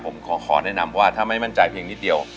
ผมขอแนะนำว่าถ้าไม่มั่นใจเพียงนิดเดียว